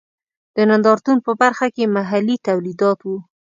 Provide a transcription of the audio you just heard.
د نندارتون په برخه کې محلي تولیدات و.